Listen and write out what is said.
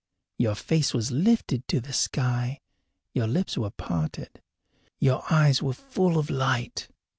Your face was lifted to the sky, your lips were parted, your eyes were full of light.